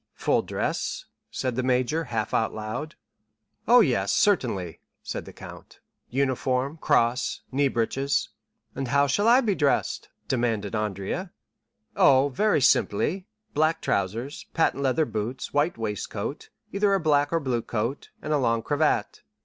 "Full dress?" said the major, half aloud. "Oh, yes, certainly," said the count; "uniform, cross, knee breeches." "And how shall I be dressed?" demanded Andrea. 30145m "Oh, very simply; black trousers, patent leather boots, white waistcoat, either a black or blue coat, and a long cravat.